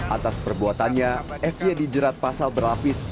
atas perbuatannya fd dijerat pasal berlapis